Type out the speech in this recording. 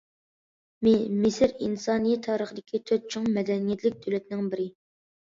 مىسىر ئىنسانىيەت تارىخىدىكى تۆت چوڭ مەدەنىيەتلىك دۆلەتنىڭ بىرى.